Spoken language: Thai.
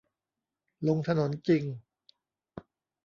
ลงถนนจริง